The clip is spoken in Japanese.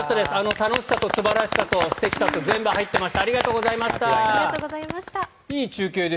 楽しさと素晴らしさと素敵さと全部入っていました。